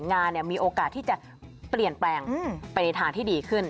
งานมีโอกาสที่จะเปลี่ยนแปลงไปในทางที่ดีขึ้น